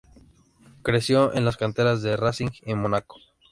Creció en las canteras de Racing y Mónaco.